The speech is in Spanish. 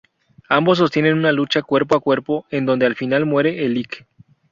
Ambos sostienen una lucha cuerpo a cuerpo en donde al final muere el Lic.